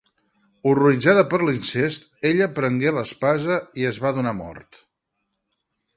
Horroritzada per l'incest, ella prengué l'espasa i es va donar mort.